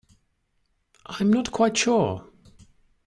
I'm not quite sure.